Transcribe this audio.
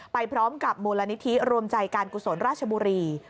ไปพร้อมกับมูลนิธิรวมใจการกุศลราชบุรี